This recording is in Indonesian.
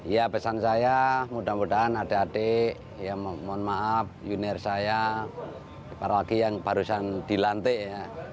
ya pesan saya mudah mudahan adik adik ya mohon maaf junior saya apalagi yang barusan dilantik ya